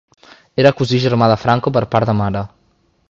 Era cosí germà de Franco per part de mare.